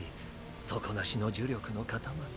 底なしの呪力の塊。